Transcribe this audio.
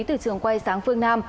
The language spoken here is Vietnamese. từ trường quay sáng phương nam